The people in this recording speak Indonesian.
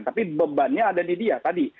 tapi bebannya ada di dia tadi